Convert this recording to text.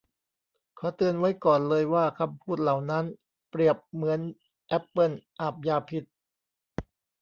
ขอเตือนไว้ก่อนเลยว่าคำพูดเหล่านั้นเปรียบเหมือนแอปเปิลอาบยาพิษ